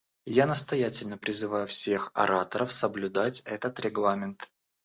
Я настоятельно призываю всех ораторов соблюдать этот регламент.